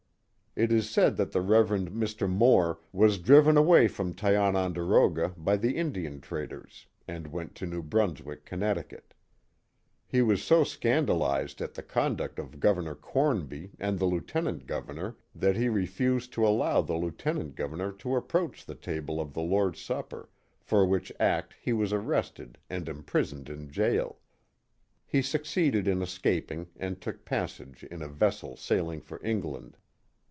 It is said that the Rev. Mr. Moore was driven away from Tiononderoga by the Indian traders and went to New Bruns wick, Connecticut, He was so scandalized at the conduct of Governor Cornby and the Lieutenant Governor that he re fused to allow the Lieutenant Governor to approach the table of the Lord's Supper, for which act he was arrested and im prisoned in jail. He succeeded in escaping and took passage in a vessel sailing for England.